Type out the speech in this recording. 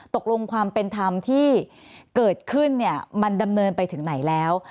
ตกลงความเป็นธรรมที่เกิดขึ้นเนี่ยมันดำเนินไปถึงไหนแล้ว